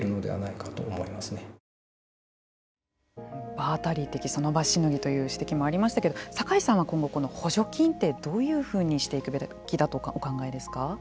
場当たり的その場しのぎという指摘もありましたけれども酒井さんは、今後補助金ってどういうふうにしていくべきだとお考えですか。